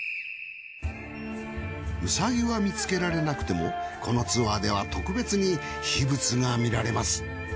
うさぎは見つけられなくてもこのツアーでは特別に秘仏が見られます。